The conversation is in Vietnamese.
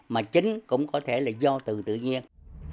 mà chính cũng có thể là do từ tự nhiên